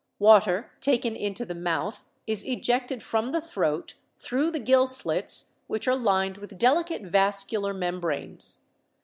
Water taken into the mouth is ejected from the throat through the gill slits, which are lined with delicate vascular mem branes.